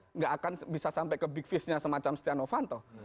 tidak akan bisa sampai ke big fishnya semacam setia novanto